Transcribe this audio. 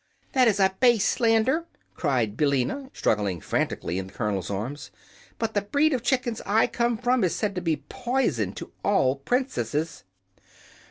"That is a base slander!" cried Billina, struggling frantically in the colonel's arms. "But the breed of chickens I come from is said to be poison to all princesses."